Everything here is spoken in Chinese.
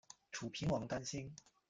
楚平王担心。